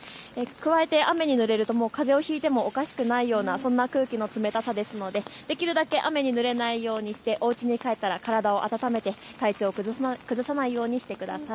加えて雨にぬれるとかぜをひいてもおかしくないようなそんな空気の冷たさですのでできるだけ雨にぬれないようにしておうちに帰ったら体を温めて体調を崩さないようにしてください。